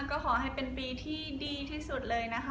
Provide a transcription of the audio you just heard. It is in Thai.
ก็ขอให้เป็นปีที่ดีที่สุดเลยนะคะ